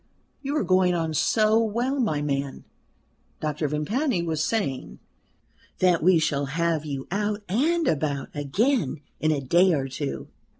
"You are going on so well, my man," Doctor Vimpany was saying, "That we shall have you out and about again in a day or two.